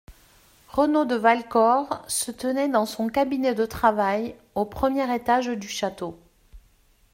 RENAUD de Valcor se tenait dans son cabinet de travail, au premier étage du château.